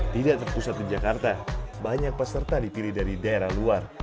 tidak terpusat di jakarta banyak peserta dipilih dari daerah luar